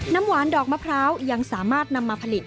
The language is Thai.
น้ำหวานดอกมะพร้าวยังสามารถนำมาผลิต